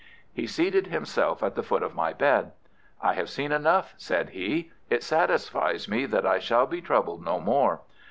He seated himself at the foot of my bed. "I have seen enough," said he. "It satisfies me that I shall be troubled no more.